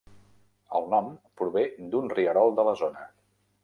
El nom prové d'un rierol de la zona.